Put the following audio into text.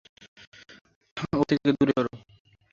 ওর থেকে দূরে সর!